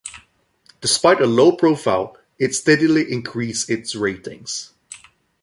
Despite a low profile, it steadily increased its ratings.